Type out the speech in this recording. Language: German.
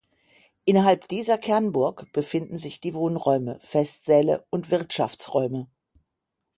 Innerhalb dieser Kernburg befinden sich die Wohnräume, Festsäle und Wirtschaftsräume.